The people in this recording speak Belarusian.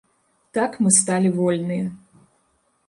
Так мы сталі вольныя.